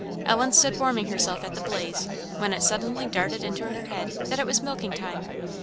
Ellen stood warming herself at the blaze, when it suddenly darted into her head that it was milking time.